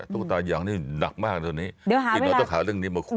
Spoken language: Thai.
ตุ๊กตายางนี่หนักมากอีกหน่อยต้องหาเรื่องนี้มาคุย